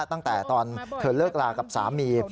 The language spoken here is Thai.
ตั้งแต่ตอนเธอเลิกลากับสามี